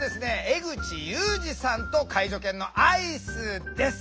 江口雄司さんと介助犬のアイスです。